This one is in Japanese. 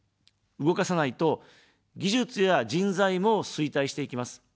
動かさないと、技術や人材も衰退していきます。